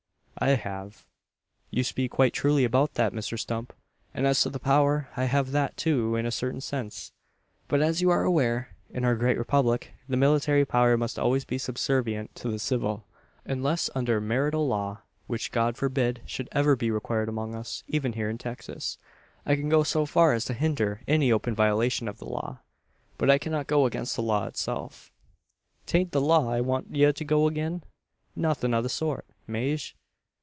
"I have. You speak quite truly about that, Mr Stump. And as to the power, I have that, too, in a certain sense. But, as you are aware, in our great republic, the military power must always be subservient to the civil unless under martial law, which God forbid should ever be required among us even here in Texas. I can go so far as to hinder any open violation of the law; but I cannot go against the law itself." "T'ant the law I want ye to go agin. Nothin' o' the sort, Maje.